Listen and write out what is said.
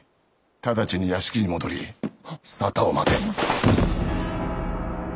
直ちに屋敷に戻り沙汰を待て。